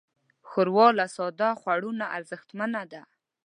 ښوروا له ساده خوړو نه ارزښتمنه ده.